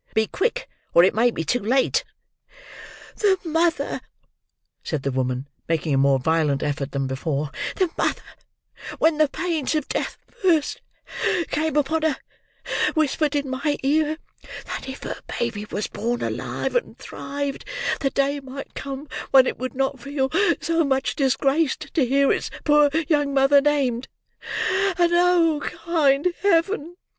"Be quick, or it may be too late!" "The mother," said the woman, making a more violent effort than before; "the mother, when the pains of death first came upon her, whispered in my ear that if her baby was born alive, and thrived, the day might come when it would not feel so much disgraced to hear its poor young mother named. 'And oh, kind Heaven!